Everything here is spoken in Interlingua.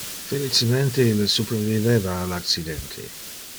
Felicemente ille superviveva al accidente.